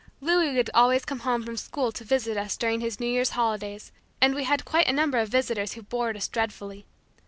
Louis would always come from school to visit us during his New Year's holidays, and we had quite a number of visitors who bored us dreadfully.